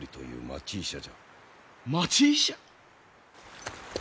町医者！？